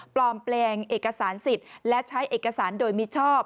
ปลอมแปลงเอกสารสิทธิ์และใช้เอกสารโดยมิชอบ